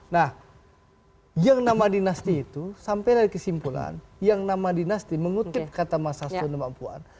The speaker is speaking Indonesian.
nah yang nama dinasti itu sampai dari kesimpulan yang nama dinasti mengutip kata mas sasunemang pertama